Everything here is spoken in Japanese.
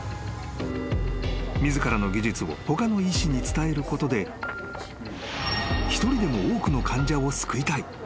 ［自らの技術を他の医師に伝えることで一人でも多くの患者を救いたい］